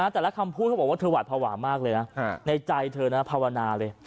แต่ละคำพูดเขาบอกว่าเธอหวาดภาวะมากเลยนะในใจเธอนะภาวนาเลย